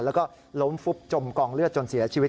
แล้วก็ล้มฟุบจมกองเลือดจนเสียชีวิต